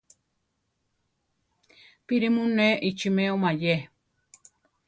Píri mu ne ichimeo maé?